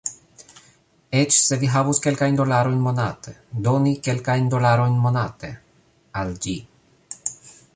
Eĉ se vi havus kelkajn dolarojn monate, doni kelkajn dolarojn monate... al ĝi...